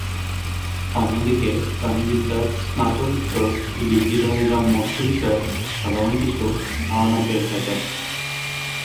অন্যদিকে প্রাণিবিদ্যার স্নাতকোত্তর ডিগ্রিধারীরা মৎস্য বিষয়ে সাধারণ কিছু ধারণা পেয়ে থাকেন।